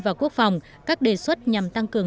và quốc phòng các đề xuất nhằm tăng cường